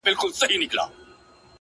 پلار وای دا لور چي پلاني پير ته ودېږي _